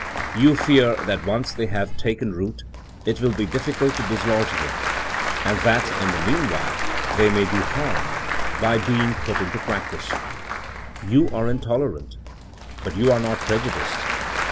You fear that once they have taken root it will be difficult to dislodge them, and that in the meanwhile they may do harm by being 102 THINEINO AS A 80IEN0E put into practice. You are intolerant. But you are not prejudiced.